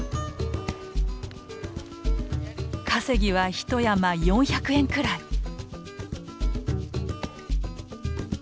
稼ぎはひと山４００円くらい。